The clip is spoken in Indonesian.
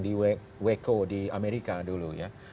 di weko di amerika dulu ya